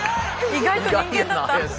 意外と人間だった。